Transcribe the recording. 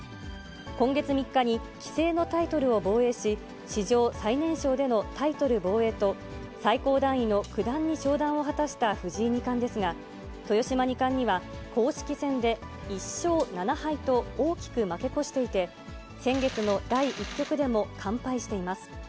今月３日に棋聖のタイトルを防衛し、史上最年少でのタイトル防衛と、最高段位の九段に昇段を果たした藤井二冠ですが、豊島二冠には公式戦で１勝７敗と大きく負け越していて、先月の第１局でも完敗しています。